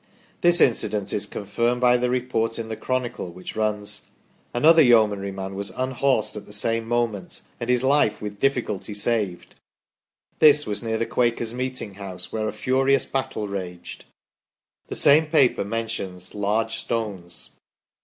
This in cident is confirmed by the report in the " Chronicle," which runs :" Another Yeomanry man was unhorsed at the same moment, and his life with difficulty saved. This was near the Quakers' meeting house, where a furious battle raged." The same paper mentions "large stones